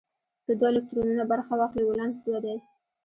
که دوه الکترونونه برخه واخلي ولانس دوه دی.